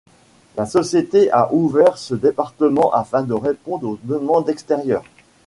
La société a ouvert ce département afin de répondre aux demandes extérieures.